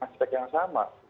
spek yang sama